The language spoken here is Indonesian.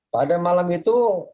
pada malam itu